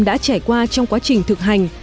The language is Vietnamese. đã trải qua trong quá trình thực hành